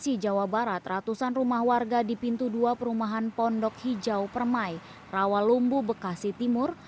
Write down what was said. pembuatan air tersebut menyebabkan puluhan rumah warga di rt enam rw tiga jati padang tersebut menyebabkan puluhan rumah warga di pondok hijau permai rawalumbu bekasi timur